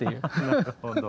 なるほど。